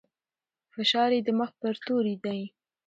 فشار يې د مخ پر توري دی.